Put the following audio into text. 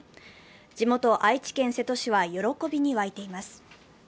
地元・愛知県瀬戸市は喜びに沸いています。